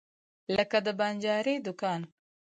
لکه د بنجاري دکان.